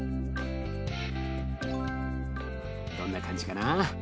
どんな感じかな？